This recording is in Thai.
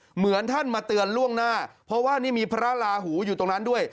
เหมือนท่านมาเตือนล่วงหน้าเพราะว่านี่มีพระราหูอยู่ตรงนั้นด้วย